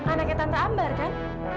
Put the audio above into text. anaknya tante ambar kan